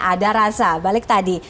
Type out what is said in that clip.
ada rasa balik tadi